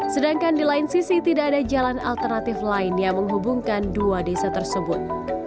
sedangkan di lain sisi tidak ada jalan alternatif lain yang menghubungkan dua desa tersebut